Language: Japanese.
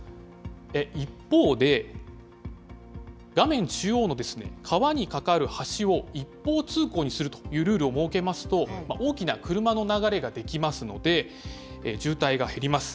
一方で、画面中央の川に架かる橋を一方通行にするというルールを設けますと、大きな車の流れが出来ますので渋滞が減ります。